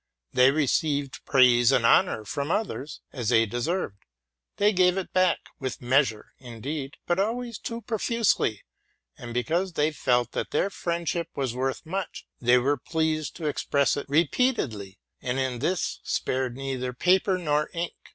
They received praise and honor from others, as they deserved ; they gave it back, with measure indeed, but always too profusely ; and, because they felt that their friendship was worth much, they were pleased to express it repeatedly, and in this spared neither paper nor ink.